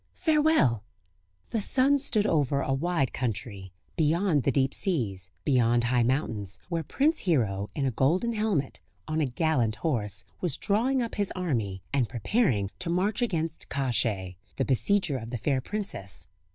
Farewell." The sun stood over a wide country, beyond the deep seas, beyond high mountains, where Prince Hero in a golden helmet, on a gallant horse, was drawing up his army, and preparing to march against Kosciey, the besieger of the fair princess.